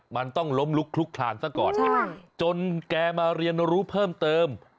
มันต้องล้มลุกคลุกคลานซะก่อนจนแกมาเรียนรู้เพิ่มเติม